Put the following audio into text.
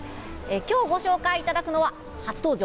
今日ご紹介いただくのは初登場！